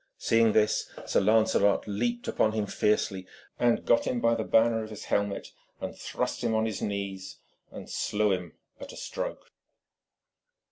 Seeing this, Sir Lancelot leaped upon him fiercely, and got him by the banner of his helmet, and thrust him on his knees, and slew him at a stroke.